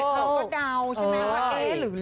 คนก็เดาใช่ไหมว่าเอ๊ะหรือ